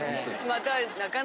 また。